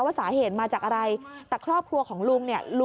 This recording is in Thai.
สาเหตุมาจากอะไรแต่ครอบครัวของลุงเนี่ย